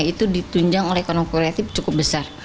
itu ditunjang oleh ekonomi kreatif cukup besar